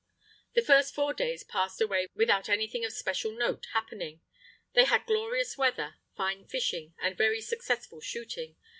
The first four days passed away without anything of special note happening. They had glorious weather, fine fishing, and very successful shooting.